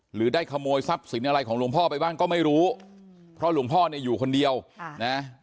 หรือได้ขโมยทรัพย์สินอะไรของหลวงพ่อไปบ้างก็ไม่รู้เพราะหลวงพ่อเนี่ยอยู่คนเดียวค่ะนะ